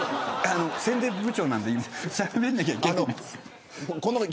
宣伝部長なんでしゃべらなきゃいけない。